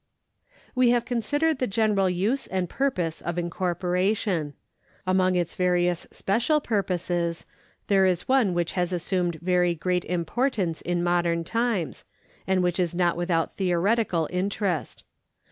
We have considered the general use and purpose of incor poration. Among its various special purposes there is one which has assumed very great importance in modern times, and which is not without theoretical interest.